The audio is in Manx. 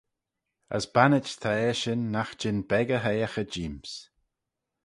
As bannit ta eshyn nagh jean beg y hoiaghey jeem's.